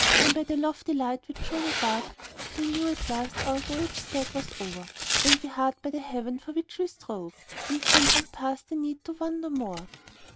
Then by the lofty light which shone above, We knew at last our voyage sad was o'er, And we hard by the haven for which we strove, And soon all past the need to wander more.